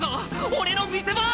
俺の見せ場！」